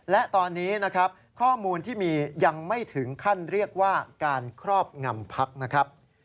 และตอนนี้นะครับข้อมูลที่มียังไม่ถึงขั้นเรียกว่าการครอบงำพักนะครับ